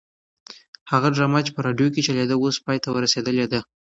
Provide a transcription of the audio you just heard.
هغه ډرامه چې په راډیو کې چلېده اوس پای ته رسېدلې ده.